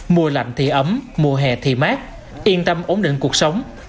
mùa lạnh thì ấm mùa hè thì mát yên tâm ổn định cuộc sống